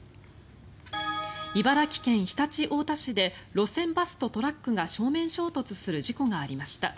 茨城県常陸太田市で路線バスとトラックが正面衝突する事故がありました。